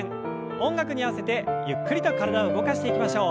音楽に合わせてゆっくりと体を動かしていきましょう。